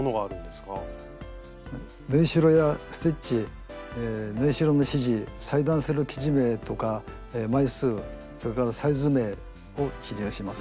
スタジオ縫いしろやステッチ縫いしろの指示裁断する生地名とか枚数それからサイズ名を記入します。